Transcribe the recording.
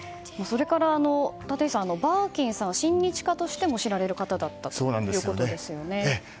それから、立石さんバーキンさんは親日家としても知られる方だったということですね。